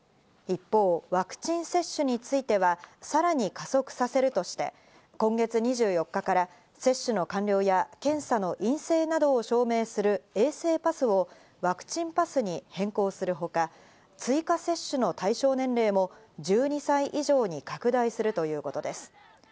一方、ワクチン接種についてはさらに加速させるとして、今月２４日から接種の完了や検査の陰性などを証明する衛生パスをワクチンパスに変更するほか、追加接種の対象年齢も１２歳以上に拡大するということです。